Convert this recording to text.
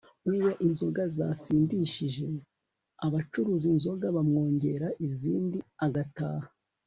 uwo inzoga zasindishije abacuruza inzoga bamwongera izindi agataha